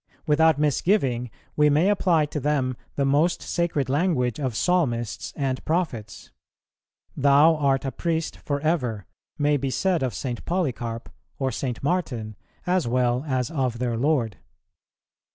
Without misgiving we may apply to them the most sacred language of Psalmists and Prophets. "Thou art a Priest for ever" may be said of St. Polycarp or St. Martin as well as of their Lord.